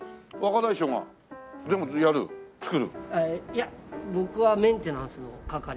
いや僕はメンテナンスの係なんで。